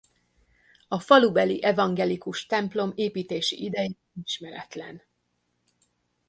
A falubeli evangelikus templom építési ideje ismeretlen.